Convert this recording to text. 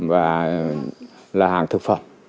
và là hàng thực phẩm